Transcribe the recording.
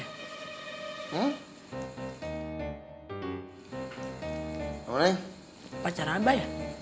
apa nih pacar abah ya